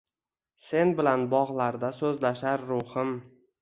Sen bilan bog’larda so’zlashar ruhim.